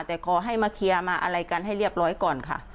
แต่ขอให้มาเคลียร์มาอะไรกันให้เรียบร้อยก่อนค่ะ